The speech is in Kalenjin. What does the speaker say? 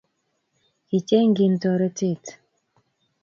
Kichengin toretet